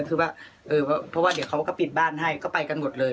คือว่าเพราะว่าเดี๋ยวเขาก็ปิดบ้านให้ก็ไปกันหมดเลย